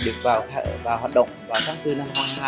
được vào hoạt động vào tháng bốn năm hai nghìn hai mươi hai